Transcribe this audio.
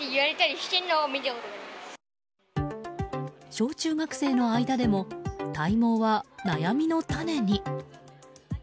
小中学生の間でも体毛は悩みの種に。